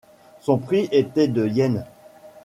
Son prix était de yen.